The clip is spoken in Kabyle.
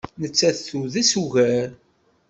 Nettat tudes ugar.